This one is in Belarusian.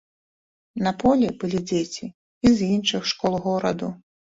На полі былі дзеці і з іншых школ гораду.